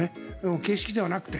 形式ではなくて。